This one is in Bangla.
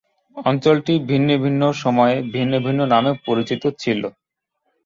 অঞ্চলটি ভিন্ন ভিন্ন সময়ে ভিন্ন ভিন্ন নামে পরিচিত ছিল।